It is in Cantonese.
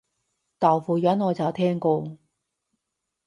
豆腐膶我就聽過